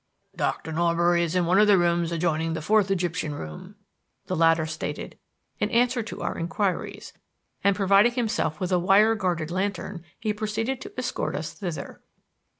"Doctor Norbury is in one of the rooms adjoining the Fourth Egyptian Room," the latter stated in answer to our inquiries: and, providing himself with a wire guarded lantern, he prepared to escort us thither.